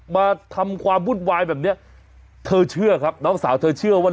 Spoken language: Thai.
มาทำความวุ่นวายแบบเนี้ยเธอเชื่อครับน้องสาวเธอเชื่อว่า